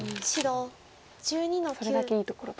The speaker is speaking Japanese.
それだけいいところと。